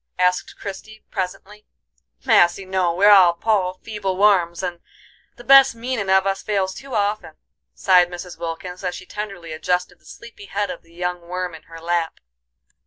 asked Christie, presently. "Massy, no, we're all poor, feeble worms, and the best meanin' of us fails too often," sighed Mrs. Wilkins, as she tenderly adjusted the sleepy head of the young worm in her lap.